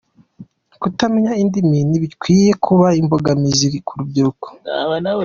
Kutamenya indimi ntibikwiye kuba imbogamizi ku rubyiruko